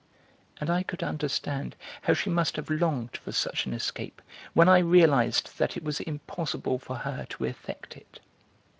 And I could understand how she must have longed for such an escape when I realised that it was impossible for her to effect it.